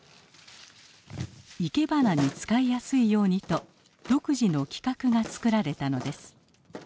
生け花に使いやすいようにと独自の規格が作られたのです。